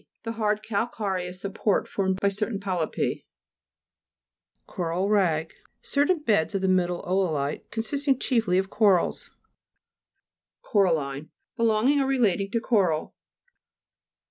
The hard calcareous support formed by certain polypi. CORAL RAG Certain beds of the middle o'olite, consisting chiefly of corals (p. 63). COH'ALLINE Belonging or relating to coral.